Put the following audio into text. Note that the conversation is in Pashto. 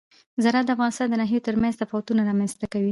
زراعت د افغانستان د ناحیو ترمنځ تفاوتونه رامنځ ته کوي.